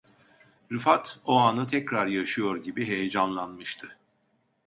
Rifat o anı tekrar yaşıyor gibi heyecanlanmıştı.